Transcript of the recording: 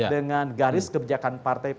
dengan garis kebijakan partai